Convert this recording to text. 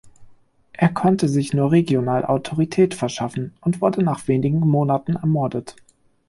Er konnte sich nur regional Autorität verschaffen und wurde nach wenigen Monaten ermordet.